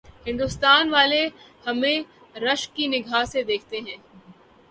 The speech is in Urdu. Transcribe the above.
ہندوستان والے ہمیں رشک کی آنکھ سے دیکھتے۔